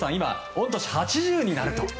御年８０になると。